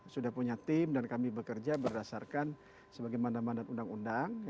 sudah punya tim dan kami bekerja berdasarkan sebagai mandat mandat undang undang